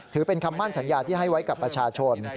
ถือเป็นคำมั่นสัญญาที่ให้ไว้กับประชาชน